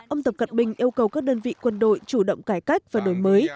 ông tập cận bình yêu cầu các đơn vị quân đội chủ động cải cách và đổi mới